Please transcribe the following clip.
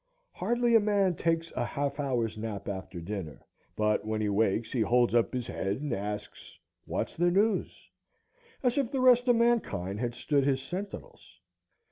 Hardly a man takes a half hour's nap after dinner, but when he wakes he holds up his head and asks, "What's the news?" as if the rest of mankind had stood his sentinels.